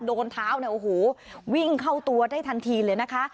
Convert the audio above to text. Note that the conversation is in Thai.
โดนเท้าเนี่ยโอ้โหวิ่งเข้าตัวได้ทันทีเลยนะคะ